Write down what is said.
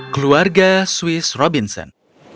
keluarga swiss robinson